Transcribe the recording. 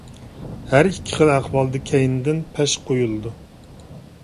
ھەر ئىككى خىل ئەھۋالدا كەينىدىن پەش قويۇلىدۇ.